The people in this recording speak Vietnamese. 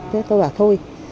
thế tôi bảo thôi